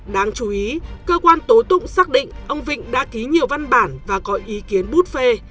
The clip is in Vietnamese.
đáng chú ý cơ quan tố tụng xác định ông vịnh đã ký nhiều văn bản và có ý kiến bút phê